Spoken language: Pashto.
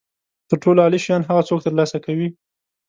تر ټولو عالي شیان هغه څوک ترلاسه کوي.